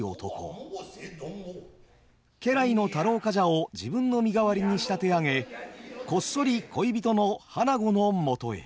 家来の太郎冠者を自分の身代わりに仕立て上げこっそり恋人の花子のもとへ。